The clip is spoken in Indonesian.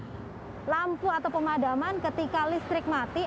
tapi akan ada lampu atau pemadaman ketika listrik mati